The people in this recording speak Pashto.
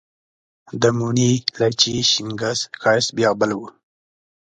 د موڼي، لچي، شینګس ښایست بیا بل و